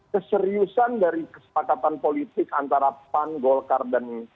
keseriusan dari kesepakatan politik antara pan golkar dan